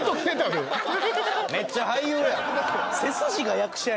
めっちゃ俳優やん。